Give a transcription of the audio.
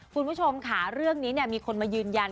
คุณผู้ชมค่ะเรื่องนี้มีคนมายืนยัน